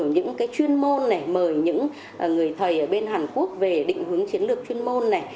những chuyên môn mời những người thầy bên hàn quốc về định hướng chiến lược chuyên môn